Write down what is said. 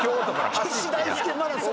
岸大介マラソン。